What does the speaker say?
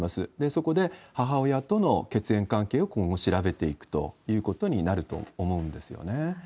そこで、母親との血縁関係を今後調べていくということになると思うんですよね。